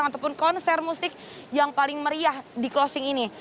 ada juga penampilan ataupun konser musik yang paling meriah di closing ini